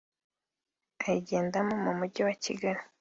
ayigendamo mu Mujyi wa Kigali